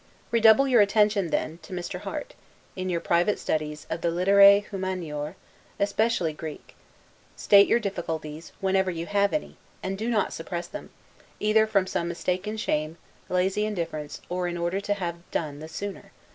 Redouble your attention, then, to Mr. Harte, in your private studies of the 'Literae Humaniores,' especially Greek. State your difficulties, whenever you have any; and do not suppress them, either from mistaken shame, lazy indifference, or in order to have done the sooner.